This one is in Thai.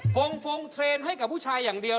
ฟงเทรนด์ให้กับผู้ชายอย่างเดียว